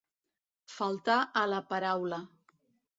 Faltar a la paraula.